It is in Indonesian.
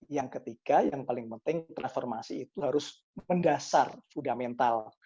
yang ketiga yang paling penting transformasi itu harus mendasar fundamental